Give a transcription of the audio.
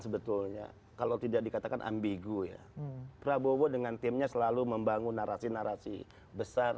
sebetulnya kalau tidak dikatakan ambigu ya prabowo dengan timnya selalu membangun narasi narasi besar